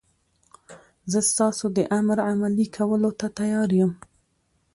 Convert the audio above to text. زه ستاسو د امر عملي کولو ته تیار یم.